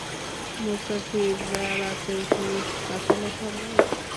মুসাফিররা রাতেও কি কাফেলা থামায়?